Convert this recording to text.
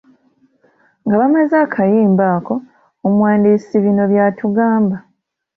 Nga bamaze akayimba ako, omuwandiisi bino by’atugamba: